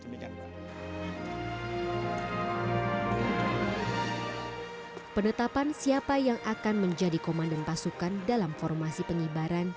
penetapan siapa yang akan menjadi komandan pasukan dalam formasi pengibaran